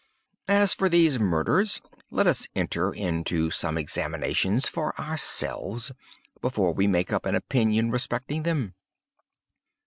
"As for these murders, let us enter into some examinations for ourselves, before we make up an opinion respecting them.